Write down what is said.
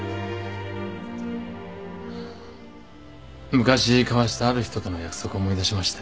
昔交わしたある人との約束を思い出しましてね。